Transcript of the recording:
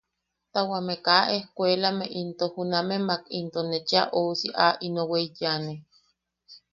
Ta wameʼe kaa ejkuelame into junamemak into ne chea ousi a ino weiyanne.